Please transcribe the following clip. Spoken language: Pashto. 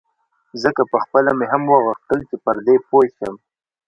ځکه پخپله مې هم غوښتل چې پر دې پوی شم.